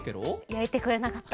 やいてくれなかった。